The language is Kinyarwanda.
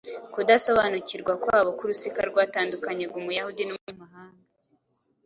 kudasobanukirwa kwabo ko urusika rwatandukanyaga Umuyahudi n’Umunyamahanga